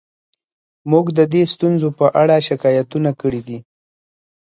موږ د دې ستونزو په اړه شکایتونه کړي دي